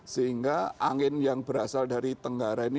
sehingga angin yang berasal dari tenggara ini